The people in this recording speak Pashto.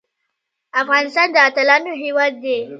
افغانستان د اتلانو هیواد دی